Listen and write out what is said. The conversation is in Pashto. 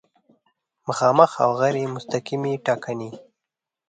مخامخ او غیر مستقیمې ټاکنې